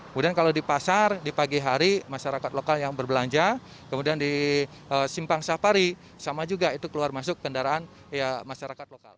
kemudian kalau di pasar di pagi hari masyarakat lokal yang berbelanja kemudian di simpang safari sama juga itu keluar masuk kendaraan masyarakat lokal